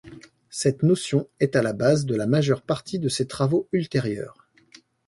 Cette notion est à la base de la majeure partie de ses travaux ultérieurs.